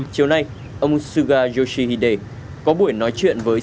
chiều nay ông suga yoshihide có buổi nói chuyện với